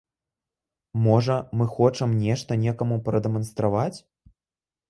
Можа, мы хочам нешта некаму прадэманстраваць?